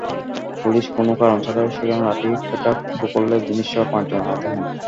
Police কোনো কারণ ছাড়াই সেখানে লাঠিপেটা শুরু করলে জনিসহ পাঁচজন আহত হন।